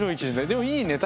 でもいいね